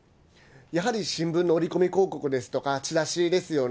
やはり新聞の折り込み広告ですとか、チラシですよね。